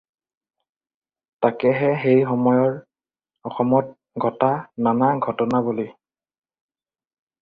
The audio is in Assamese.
তাকেহে সেই সময়ৰ অসমত ঘটা নানা ঘটনাৱলী